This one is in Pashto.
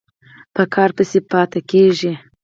په کار پسې به پاتې کېږې.